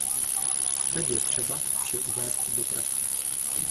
Teď je třeba vše uvést do praxe.